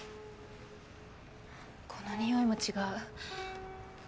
このにおいも違う。